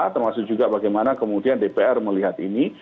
termasuk juga bagaimana kemudian dpr melihat ini